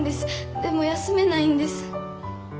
でも休めないんです。